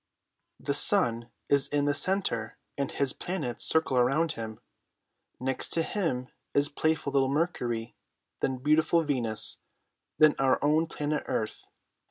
"The Sun is in the center and his planets circle around him. Next to him is playful little Mercury, then beautiful Venus, then our own planet Earth.